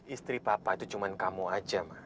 istri papa itu cuma kamu saja ma